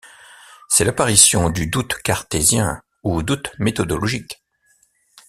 C’est l’apparition du doute cartésien, ou doute méthodologique.